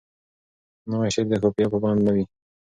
نوی شعر د قافیه پابند نه وي.